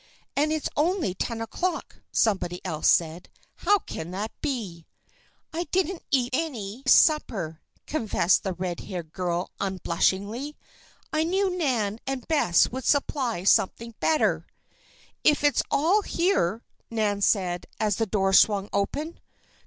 "And it's only ten o'clock," somebody else said. "How can that be?" "I didn't eat any supper," confessed the red haired girl, unblushingly. "I knew Nan and Bess would supply something better." "If it's all here," Nan said, as the door swung open.